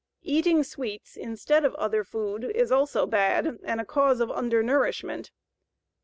Eating sweets instead of other food is also bad and a cause of undernourishment.